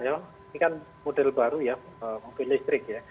memang ini kan model baru ya mobil listrik ya